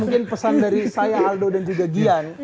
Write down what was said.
mungkin pesan dari saya aldo dan juga gian